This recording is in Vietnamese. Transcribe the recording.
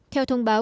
theo thông báo